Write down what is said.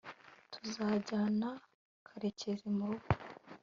tuzajyana karekezi murugo